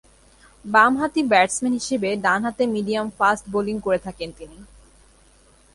বামহাতি ব্যাটসম্যান হিসেবে ডানহাতে মিডিয়াম-ফাস্ট বোলিং করে থাকেন তিনি।